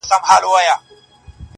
o ته یې په مسجد او درمسال کي کړې بدل.